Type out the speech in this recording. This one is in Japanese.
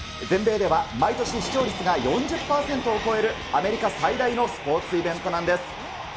全米では毎年視聴率が４０％を超える、アメリカ最大のスポーツイベントなんです。